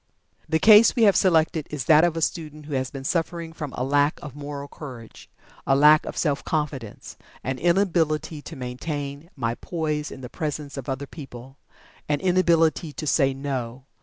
The case we have selected is that of a student who has been suffering from "a lack of Moral Courage a lack of Self Confidence an inability to maintain my poise in the presence of other people an inability to say 'No!'